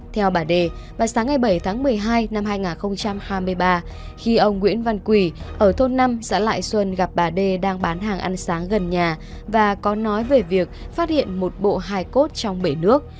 theo bà đề vào sáng ngày bảy tháng một mươi hai năm hai nghìn hai mươi ba khi ông nguyễn văn quỳ ở thôn năm xã lại xuân gặp bà đê đang bán hàng ăn sáng gần nhà và có nói về việc phát hiện một bộ hai cốt trong bể nước